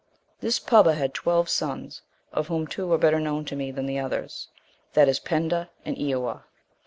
* This Pubba had twelve sons, of whom two are better known to me than the others, that is Penda and Eawa.